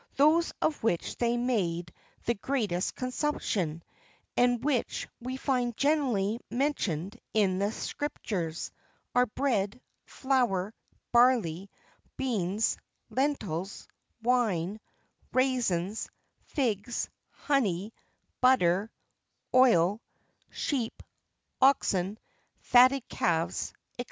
Those of which they made the greatest consumption, and which we find generally mentioned in the Scriptures, are bread, flour, barley, beans, lentils, wine, raisins, figs, honey, butter, oil, sheep, oxen, fatted calves, &c.